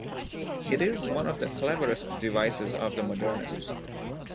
It is one of the cleverest devices of the modernists.